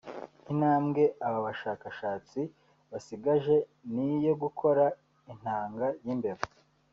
Intambwe aba bashakastsi basigaje ni iyo gukora intanga y’imbeba